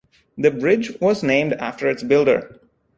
The bridge was named after its builder.